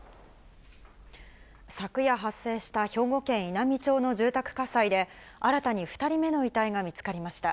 昨夜発生した兵庫県稲美町の住宅開催で、新たに２人目の遺体が見つかりました。